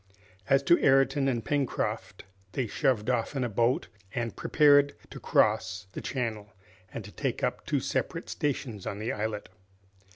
As to Ayrton and Pencroft, they shoved off in the boat, and prepared to cross the channel and to take up two separate stations on the islet.